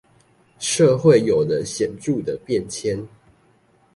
社會有了顯著的變遷